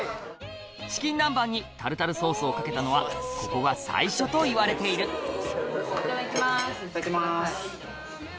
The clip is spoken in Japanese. チキン南蛮にタルタルソースをかけたのはここが最初といわれているいただきます。